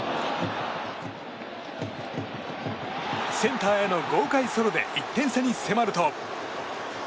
センターへの豪快ソロで１点差に迫ると。